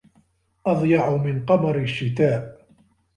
أضيع من قمر الشتاء